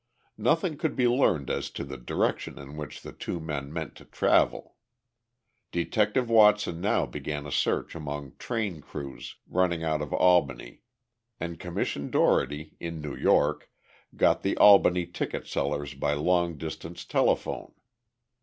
Nothing could be learned as to the direction in which the two men meant to travel. Detective Watson now began a search among train crews running out of Albany, and Commissioner Dougherty, in New York, got the Albany ticket sellers by long distance telephone.